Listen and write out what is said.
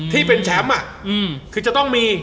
ที่เป็นแชมป์คือจะต้องมี